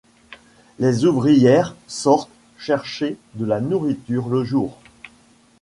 Les ouvrières sortent chercher de la nourriture le jour.